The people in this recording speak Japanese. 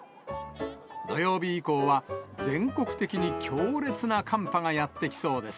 土曜日以降は全国的に強烈な寒波がやって来そうです。